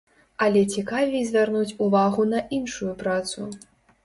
Але цікавей звярнуць увагу на іншую працу.